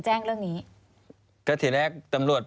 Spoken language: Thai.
แล้วเขาสร้างเองว่าห้ามเข้าใกล้ลูก